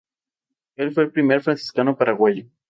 Él fue el primer franciscano paraguayo.